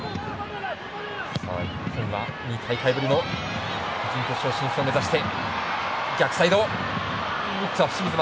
日本は２大会ぶりの準決勝進出を目指して。